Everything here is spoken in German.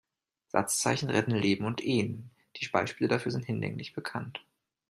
Satzzeichen retten Leben und Ehen, die Beispiele dafür sind hinlänglich bekannt.